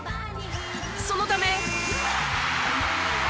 そのため。